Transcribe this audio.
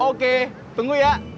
oke tunggu ya